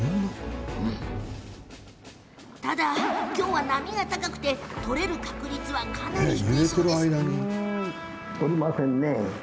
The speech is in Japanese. ただ、今日は波が高くて取れる確率はかなり低いそう。